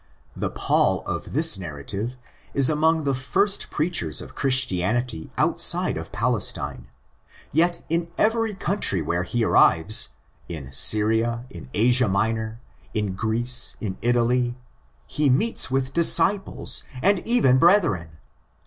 The Paul of this narrative is among the first preachers of Christianity outside of Palestine; yet in every country where he arrives—in Syria, in Asia Minor, in Greece, in Italy—he meets with '' disciples," and even "brethren."